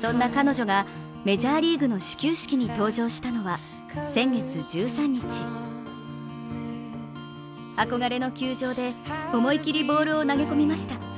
そんな彼女が、メジャーリーグの始球式に登場したのは先月１３日憧れの球場で思い切りボールを投げ込みました。